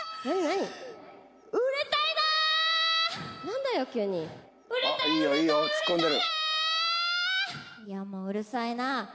うるさいな！